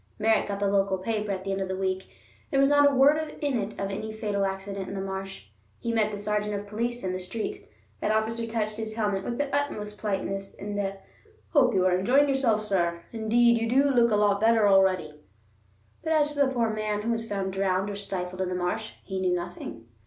Merritt got the local paper at the end of the week; there was not a word in it of any fatal accident in the marsh. He met the sergeant of police in the street. That officer touched his helmet with the utmost politeness and a "hope you are enjoying yourself, sir; indeed you do look a lot better already"; but as to the poor man who was found drowned or stifled in the marsh, he knew nothing.